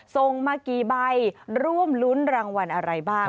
ส่งมากี่ใบร่วมรุ้นรางวัลอะไรบ้าง